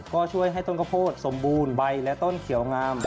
ก็ช่วยให้ต้นข้าวโพดสมบูรณ์ใบและต้นเขียวงาม